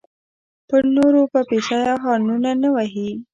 پر نورو به بېځایه هارنونه نه وهې.